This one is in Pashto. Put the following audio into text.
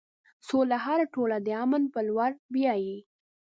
سوله هره ټولنه د امن په لور بیایي.